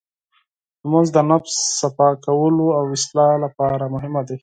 لمونځ د نفس پاکولو او اصلاح لپاره مهم دی.